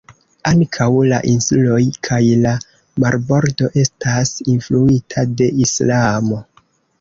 Ankaŭ la insuloj kaj la marbordo estas influita de Islamo.